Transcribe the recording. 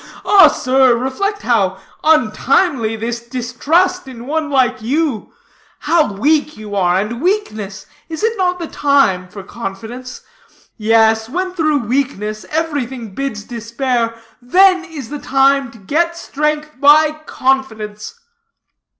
Ah, sir, reflect how untimely this distrust in one like you. How weak you are; and weakness, is it not the time for confidence? Yes, when through weakness everything bids despair, then is the time to get strength by confidence."